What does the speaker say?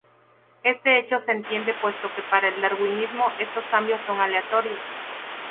Este hecho se entiende puesto que para el darwinismo estos cambios son aleatorios.